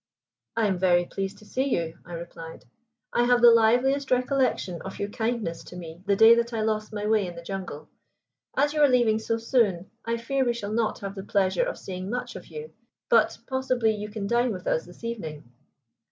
"I am very pleased to see you," I replied. "I have the liveliest recollection of your kindness to me the day that I lost my way in the jungle. As you are leaving so soon, I fear we shall not have the pleasure of seeing much of you, but possibly you can dine with us this evening?"